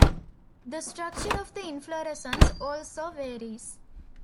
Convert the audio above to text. The structure of the inflorescence also varies.